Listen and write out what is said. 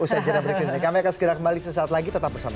saya berkata kami akan segera kembali sesaat lagi tetap bersama kami